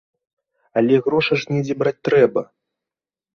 Але грошы ж недзе браць трэба!